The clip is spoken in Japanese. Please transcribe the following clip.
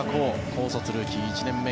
高卒ルーキー、１年目